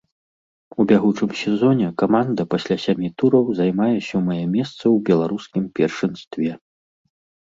У бягучым сезоне каманда пасля сямі тураў займае сёмае месца ў беларускім першынстве.